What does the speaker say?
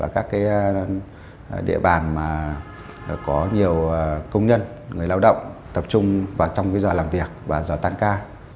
các địa bàn mà có nhiều công nhân người lao động tập trung vào trong giờ làm việc và giờ tăng ca